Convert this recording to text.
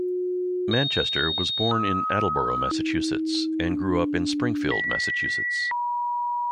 Manchester was born in Attleboro, Massachusetts, and grew up in Springfield, Massachusetts.